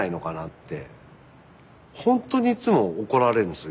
ほんとにいつも怒られるんですよ